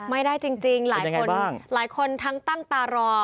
ไม่ได้จริงหลายคนทั้งตั้งตารอ